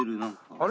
あれ？